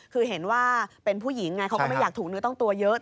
คือเห็นว่าเป็นผู้หญิงไงเขาก็ไม่อยากถูกเนื้อต้องตัวเยอะ